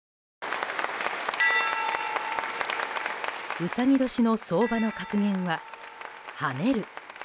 うさぎ年の相場の格言は跳ねる。